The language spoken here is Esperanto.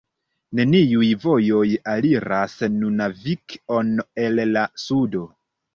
Neniuj vojoj aliras Nunavik-on el la sudo.